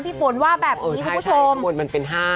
พี่ฝนว่าแบบนี้คุณผู้ชมเออใช่ใช่ข้างบนมันเป็นห้า